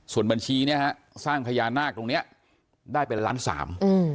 ส่วนบัญชีเนี้ยฮะสร้างพญานาคตรงเนี้ยได้เป็นล้านสามอืม